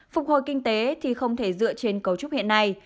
phục hồi kinh tế thì không thể dựa trên cấu trúc hiện nay